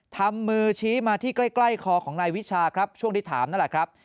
ทำมือชี้มาที่ใกล้คอของนายวิชาครับช่วงที่ถามนั่นแหละครับ